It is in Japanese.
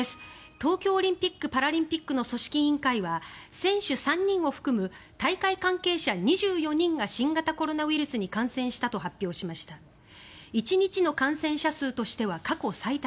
東京オリンピック・パラリンピックの組織委員会は選手３人を含む大会関係者２４人が新型コロナウイルスに感染したと発表しました。